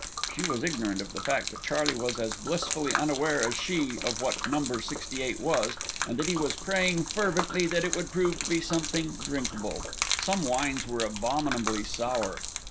She was ignorant of the fact that Charlie was as blissfully unaware as she of what "Number 68" was, and that he was praying fervently that it would prove to be something drinkable. Some wines were abominably sour.